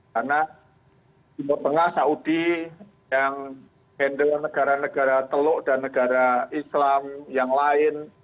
karena di tengah tengah saudi yang handle negara negara teluk dan negara islam yang lain